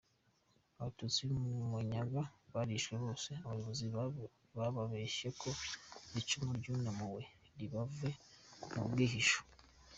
Abatutsi b’i Munyaga barishwe bose, abayobozi bababeshye ngo icumu ryunamuwe nibave mu bwihisho.